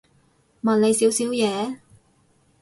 問你少少嘢